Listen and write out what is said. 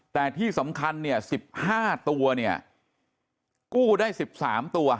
แต่ที่สำคัญ๑๕ตัวกู้ได้๑๓ตัว